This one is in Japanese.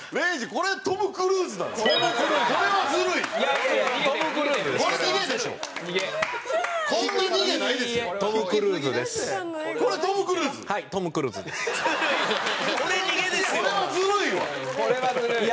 これはずるい。